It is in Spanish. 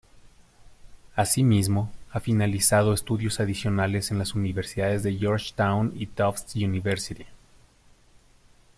Así mismo, ha finalizado estudios adicionales en las Universidades de Georgetown y Tufts University.